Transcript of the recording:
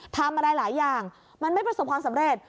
ทำอะไรหลายอย่างมันไม่ประสบความสำเร็จ